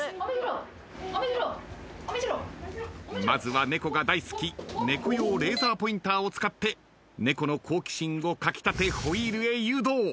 まずは猫が大好き猫用レーザーポインターを使って猫の好奇心をかき立てホイールへ誘導。